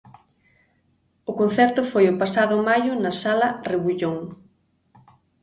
O concerto foi o pasado maio na Sala Rebullón.